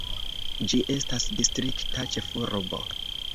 Ĝi estas distrikta ĉefurbo.